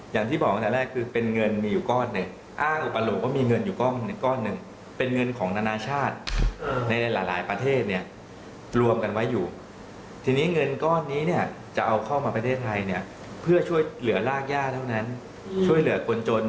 อย่างที่บอกนั้นกันแรกเป็นเงินมีอยู่ก้อน